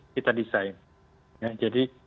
kita desain jadi